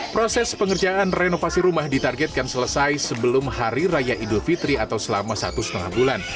proses pengerjaan renovasi rumah ditargetkan selesai sebelum hari raya idul fitri atau selama satu setengah bulan